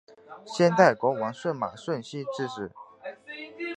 先代国王舜马顺熙之子。